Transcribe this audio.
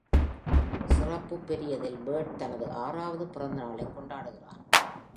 சிறப்பு பெரியதில் Bird தனது ஆறாவது பிறந்த நாளைக்கொண்டாடுகிறான்.